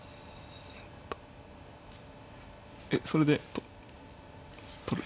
えっそれで取る。